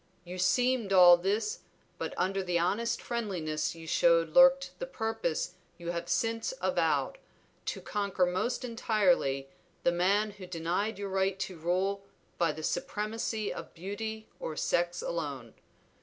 You seemed all this, but under the honest friendliness you showed lurked the purpose you have since avowed, to conquer most entirely the man who denied your right to rule by the supremacy of beauty or of sex alone.